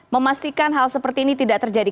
memastikan hal seperti ini tidak terjadi